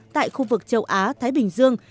tại khu vực châu á thái bình dương